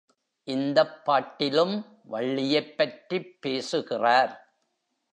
இந்தப் பாட்டிலும் வள்ளியைப் பற்றிப் பேசுகிறார்.